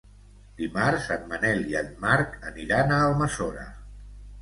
Dimarts en Manel i en Marc aniran a Almassora.